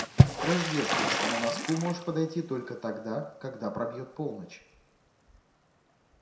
К рождественскому носку можешь подойти только тогда, когда пробьёт полночь.